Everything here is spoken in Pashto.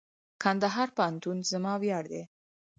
کندهار پوهنتون زما ویاړ دئ.